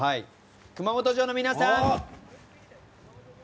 熊本城の皆さん！